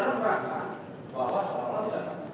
anta yang berhasil kajian